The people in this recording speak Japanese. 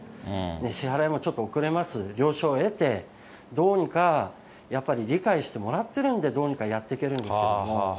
支払いもちょっと遅れます、了承を得て、どうにか、やっぱり理解してもらってるんで、どうにかやっていけるんですけども。